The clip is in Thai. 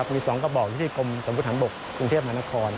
มี๒กระบอกอยู่ที่กรมสมพุทธฐานบกกรุงเทพมหานคร